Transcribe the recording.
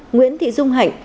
nguyễn thị dung hạnh